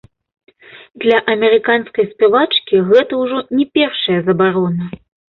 Для амерыканскай спявачкі гэта ўжо не першая забарона.